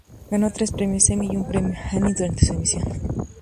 Ganó tres premios Emmy y un premio Annie durante su emisión.